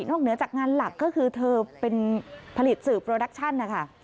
เหนือจากงานหลักก็คือเธอเป็นผลิตสื่อโปรดักชั่นนะคะ